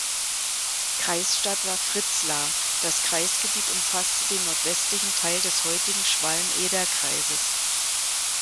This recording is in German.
Kreisstadt war Fritzlar, das Kreisgebiet umfasste den nordwestlichen Teil des heutigen Schwalm-Eder-Kreises.